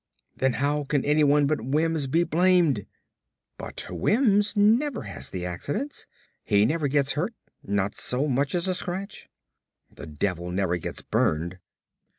"Then how can anyone but Wims be blamed?" "But Wims never has the accidents. He never gets hurt; not so much as a scratch!" "The devil never gets burned."